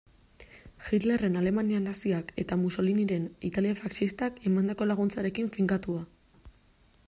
Hitlerren Alemania naziak eta Mussoliniren Italia faxistak emandako laguntzarekin finkatua.